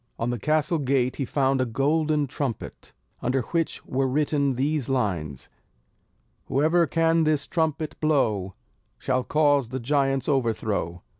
On the castle gate he found a golden trumpet, under which were written these lines: "Whoever can this trumpet blow, Shall cause the giant's overthrow."